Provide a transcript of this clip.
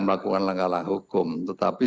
melakukan langkah langkah hukum tetapi